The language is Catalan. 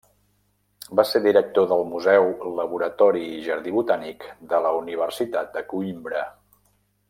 Va ser director del Museu, Laboratori i Jardí Botànic de la Universitat de Coïmbra.